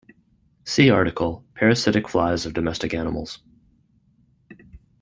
See article: Parasitic flies of domestic animals.